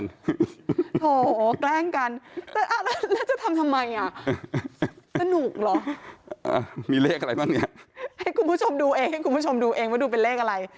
โอ้โหแกล้งกันแล้วจะทำทำไมอ่ะสนุกเหรอมีเลขอะไรบ้างเนี่ยให้คุณผู้ชมดูเองคุณผู้ชมดูเองว่าดูเป็นเลขอะไร